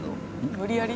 無理やり？